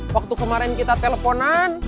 waktu kemarin kita teleponan